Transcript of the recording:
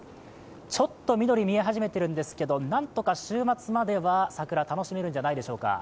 ちょっと緑見え始めているんですけれども、何とか週末まで桜、楽しめるんじゃないでしょうか